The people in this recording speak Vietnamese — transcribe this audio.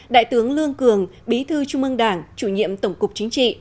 đại tướng lương cường bí thư trung ương đảng chủ nhiệm tổng cục chính trị